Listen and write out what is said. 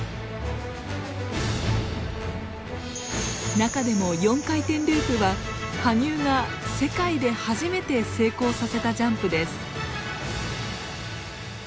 中でも４回転ループは羽生が世界で初めて成功させたジャンプです。